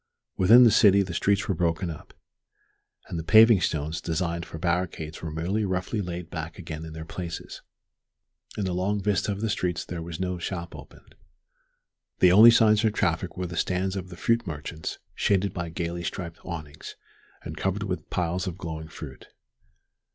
Within the city the streets were broken up, and the paving stones designed for barricades were merely roughly laid back again in their places. In the long vista of the streets there was no shop open. The only signs of traffic were the stands of the fruit merchants shaded by gayly striped awnings, and covered with piles of glowing fruit.